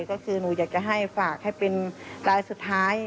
ก็คือหนูอยากจะให้ฝากให้เป็นรายสุดท้าย